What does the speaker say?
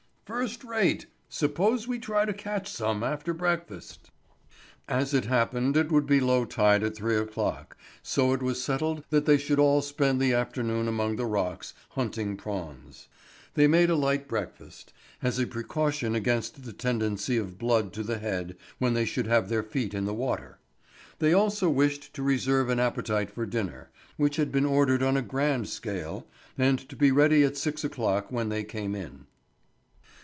"First rate! Suppose we try to catch some after breakfast." As it happened it would be low tide at three o'clock, so it was settled that they should all spend the afternoon among the rocks, hunting prawns. They made a light breakfast, as a precaution against the tendency of blood to the head when they should have their feet in the water. They also wished to reserve an appetite for dinner, which had been ordered on a grand scale and to be ready at six o'clock when they came in.